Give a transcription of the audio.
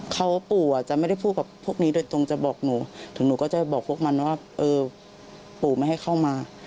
เขาปู่จะไม่ได้พูดกับพวกนี้โดยตรงจะบอกหนูถึงหนูก็จะบอกพวกมันว่าเออปู่ไม่ให้เข้ามา